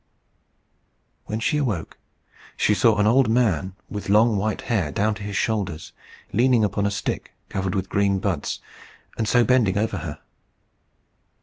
When she awoke, she saw an old man with long white hair down to his shoulders, leaning upon a stick covered with green buds, and so bending over her.